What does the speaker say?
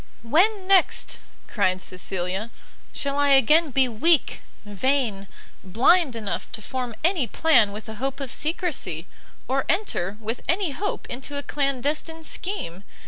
"When, next," cried Cecilia, "shall I again be weak, vain, blind enough to form any plan with a hope of secresy? or enter, with any hope, into a clandestine scheme!